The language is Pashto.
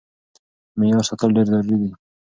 معيار ساتل ډېر ضروري دی.